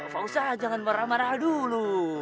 pak ustadz jangan marah marah dulu